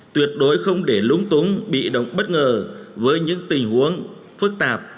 tuyệt đối không để lúng túng bị động bất ngờ với những tình huống phức tạp